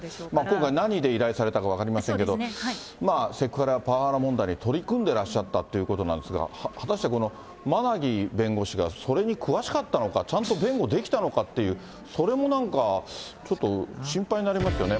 今回、何で依頼されたか分かりませんけど、まあセクハラ、パワハラ問題に取り組んでらっしゃったということなんですが、果たしてこの馬奈木弁護士がそれに詳しかったのか、ちゃんと弁護できたのかっていう、それもなんか、ちょっと心配になりますよね。